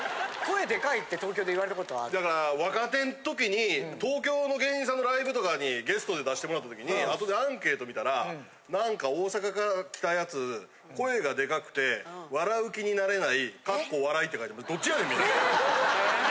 声でかいって、若手のときに、東京の芸人さんのライブとかにゲストで出してもらったときに、あとでアンケート見たら、なんか大阪から来たやつ、声がでかくて、笑う気になれない、かっこ笑いって書いてあって、どっちやねん、みたいな。